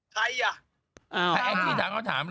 ใครอะ